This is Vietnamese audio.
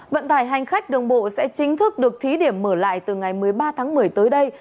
vận tải hành khách đường bộ sẽ chính thức được thí điểm mở lại từ ngày một mươi ba tháng một mươi tới đây